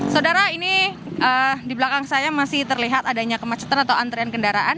saudara ini di belakang saya masih terlihat adanya kemacetan atau antrian kendaraan